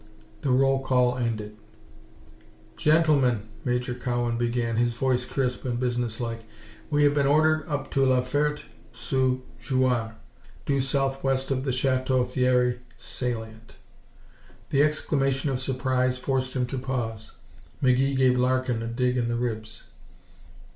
The roll call ended. "Gentlemen," Major Cowan began, his voice crisp and business like, "we have been ordered up to La Ferte sous Jouarre, due southwest of the Chateau Thierry salient." The exclamation of surprise forced him to pause. McGee gave Larkin a dig in the ribs.